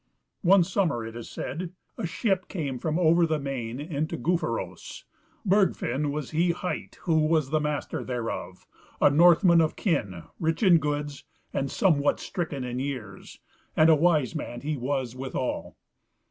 One summer, it is said, a ship came from over the main into Gufaros. Bergfinn was he hight who was the master thereof, a Northman of kin, rich in goods, and somewhat stricken in years, and a wise man he was withal.